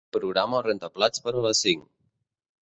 Programa el rentaplats per a les cinc.